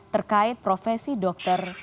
terkait profesi dokter